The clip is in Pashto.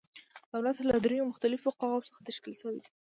دولت له دریو مختلفو قواوو څخه تشکیل شوی دی.